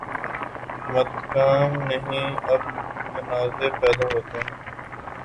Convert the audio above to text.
متکلم نہیں، اب مناظر پیدا ہوتے ہیں۔